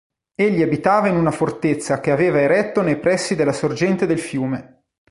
Egli abitava in una fortezza che aveva eretto nei pressi della sorgente del fiume.